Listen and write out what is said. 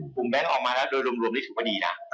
แบงค์ออกมาแล้วโดยรวมนี่ถือว่าดีนะ